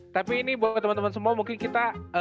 tapi ini buat temen temen semua mungkin kita